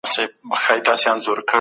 اقليتونه بايد حکومت ته وفادار وي.